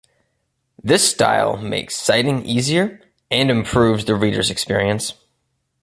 This style makes citing easier and improves the reader's experience.